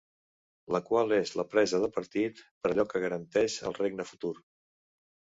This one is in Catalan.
La qual és la presa de partit per allò que garanteix el regne futur.